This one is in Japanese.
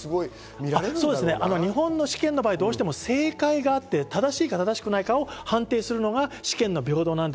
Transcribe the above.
日本の試験の場合は正解があって正しいか正しくないかを判定するのが試験の平等。